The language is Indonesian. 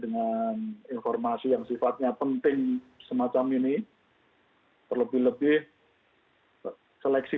dan nggak mudah untuk melengkapi administrasi yang harus disiapkan oleh guru honorer mengikuti seleksi